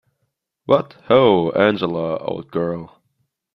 What ho, Angela, old girl.